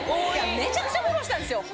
めちゃくちゃフォローしたんですよ。